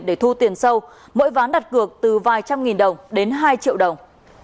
để thu tiền sâu mỗi ván đặt cược từ vài trăm nghìn đồng đến hai triệu đồng